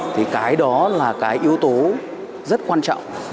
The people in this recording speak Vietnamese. thì cái đó là cái yếu tố rất quan trọng